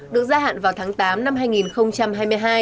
được gia hạn vào tháng tám năm hai nghìn hai mươi hai